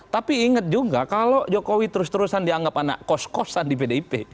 tapi ingat juga kalau jokowi terus terusan dianggap anak kos kosan di pdip